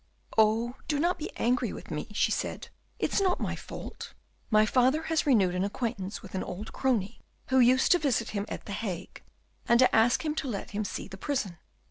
"Oh! do not be angry with me," she said, "it is not my fault. My father has renewed an acquaintance with an old crony who used to visit him at the Hague, and to ask him to let him see the prison.